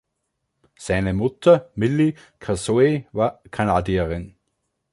Seine Mutter Milli Kasoy war Kanadierin.